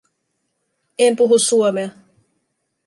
En puhu suomea